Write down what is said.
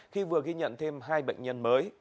khi vừa ghi nhận thêm hai bệnh nhân mới